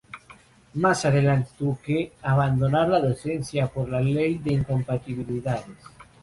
Más adelante tuvo que abandonar la docencia por la Ley de Incompatibilidades.